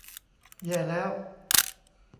แย่แล้ว !